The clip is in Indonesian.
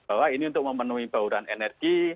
bahwa ini untuk memenuhi bauran energi